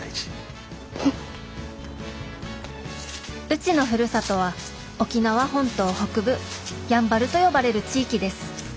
うちのふるさとは沖縄本島北部やんばると呼ばれる地域です。